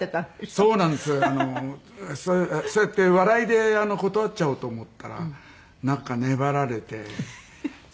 そうやって笑いで断っちゃおうと思ったらなんか粘られて。